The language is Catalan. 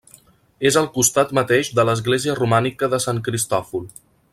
És al costat mateix de l'església romànica de Sant Cristòfol.